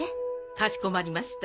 かしこまりました。